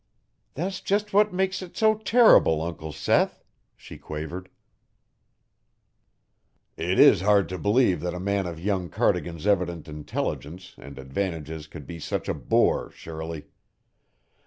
"That's just what makes it so terrible, Uncle Seth," she quavered. "It IS hard to believe that a man of young Cardigan's evident intelligence and advantages could be such a boor, Shirley.